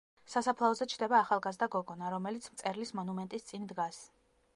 სასაფლაოზე ჩნდება ახალგაზრდა გოგონა, რომელიც მწერლის მონუმენტის წინ დგას.